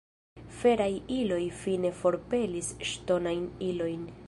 Feraj iloj fine forpelis ŝtonajn ilojn.